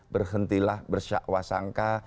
berhentilah bersyakwa sangka